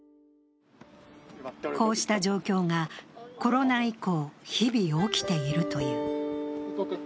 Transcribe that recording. こうした状況がコロナ以降、日々起きているという。